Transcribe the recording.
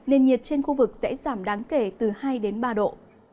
nền nhiệt trên khu vực sẽ giảm đáng kể từ hai đến ba độ